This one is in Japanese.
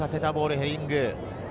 ヘディング。